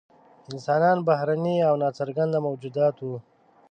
انسانان بهرني او نا څرګند موجودات وو.